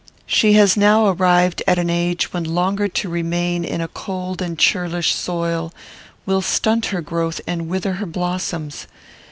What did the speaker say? "She has now arrived at an age when longer to remain in a cold and churlish soil will stunt her growth and wither her blossoms.